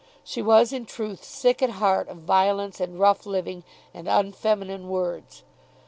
She was in truth sick at heart of violence and rough living and unfeminine words.